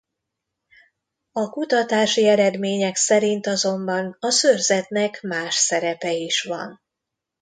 A kutatási eredmények szerint azonban a szőrzetnek más szerepe is van.